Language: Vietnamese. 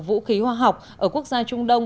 vũ khí hoa học ở quốc gia trung đông